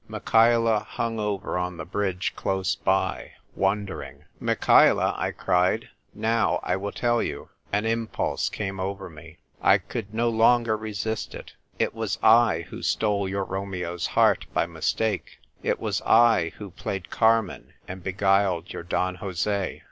Michaela hung over on the bridge close by, wondering. " Michaela," I cried, " now I will tell you !" An impulse came over me; I could no longer resist it. " It was / who stole your Romeo's heart by mistake ! It was / who played Car men and beguiled your Don Jose.